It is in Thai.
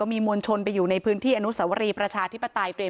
มีมวลชนไปอยู่ในพื้นที่อนุสวรีประชาธิปไตยเตรียม